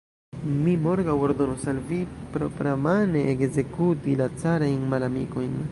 Mi morgaŭ ordonos al vi propramane ekzekuti la carajn malamikojn.